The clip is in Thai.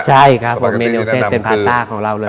ใช่ครับผมเมนูเส้นเป็นพาต้าของเราเลย